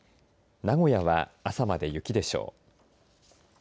名古屋は朝まで雪でしょう。